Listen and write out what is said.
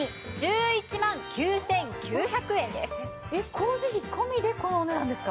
工事費込みでこのお値段ですか？